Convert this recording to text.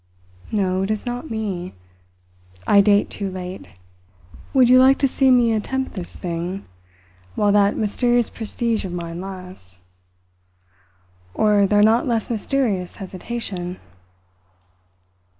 No, it is not in me. I date too late. Would you like to see me attempt this thing while that mysterious prestige of mine lasts or their not less mysterious hesitation?"